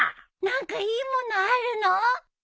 何かいいものあるの？